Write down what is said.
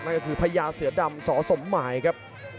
นั่นก็คือพญาเสือดำสสมหมายครับ